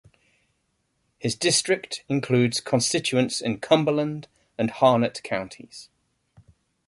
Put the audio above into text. His district includes constituents in Cumberland and Harnett counties.